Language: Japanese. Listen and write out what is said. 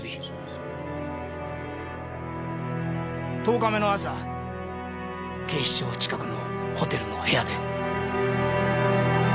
十日目の朝警視庁近くのホテルの部屋で。